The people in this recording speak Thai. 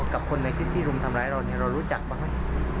กับคนในพื้นที่รุมทำร้ายเราเรารู้จักบ้างไหม